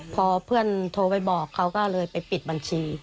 พอเพื่อนโทรไปบอกเขาก็เลยไปปิดบัญชี